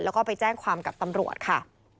แล้วก็ไปแจ้งความกับตำรวจค่ะ